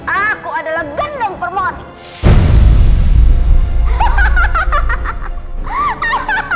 aku adalah gendong permoni